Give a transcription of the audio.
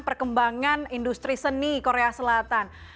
perkembangan industri seni korea selatan